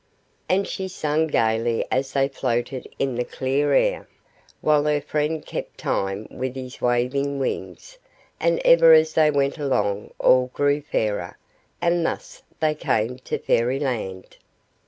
And she sang gayly as they floated in the clear air, while her friend kept time with his waving wings, and ever as they went along all grew fairer; and thus they came to Fairy Land.